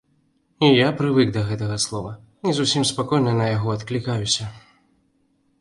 Я прывык да гэтага слова і зусім спакойна на яго адклікаюся.